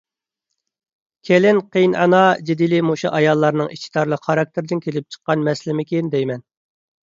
كېلىن-قېيىنئانا جېدىلى مۇشۇ ئاياللارنىڭ ئىچى تارلىق خاراكتېرىدىن كېلىپ چىققان مەسىلىمىكىن دەيمەن.